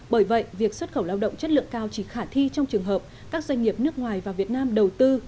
bởi vậy việc xuất khẩu lao động chất lượng cao chỉ khả thi trong trường hợp các doanh nghiệp nước ngoài và việt nam đầu tư